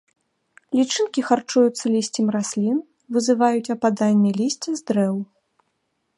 Лічынкі харчуюцца лісцем раслін, вызываюць ападанне лісця з дрэў.